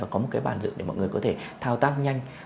có một cái bàn dựng để mọi người có thể thao tác nhanh